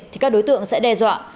thì các đối tượng sẽ đe dọa